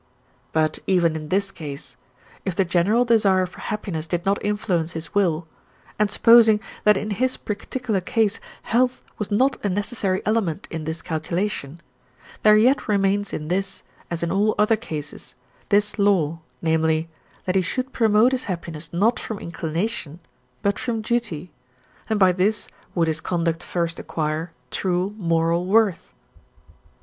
But even in this case, if the general desire for happiness did not influence his will, and supposing that in his particular case health was not a necessary element in this calculation, there yet remains in this, as in all other cases, this law, namely, that he should promote his happiness not from inclination but from duty, and by this would his conduct first acquire true moral worth.